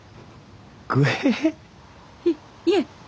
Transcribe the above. いいえ。